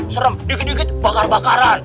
serem dikit dikit bakar bakaran